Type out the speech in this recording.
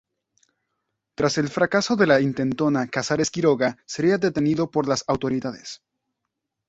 Tras el fracaso de la intentona Casares Quiroga sería detenido por las autoridades.